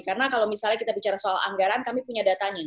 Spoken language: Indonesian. karena kalau misalnya kita bicara soal anggaran kami punya datanya